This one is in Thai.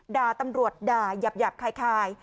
ด่าตำรวจด่าหยาบคล้าย